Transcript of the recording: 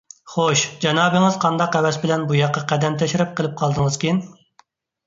خوش، جانابىڭىز قانداق ھەۋەس بىلەن بۇياققا قەدەم تەشرىپ قىلىپ قالدىڭىزكىن؟